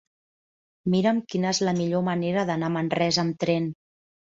Mira'm quina és la millor manera d'anar a Manresa amb tren.